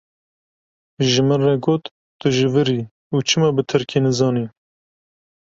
Ji min re got tu ji vir î û çima bi tirkî nizanî.